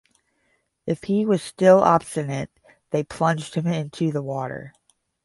If he was still obstinate, they plunged him into the water.